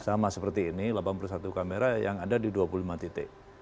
sama seperti ini delapan puluh satu kamera yang ada di dua puluh lima titik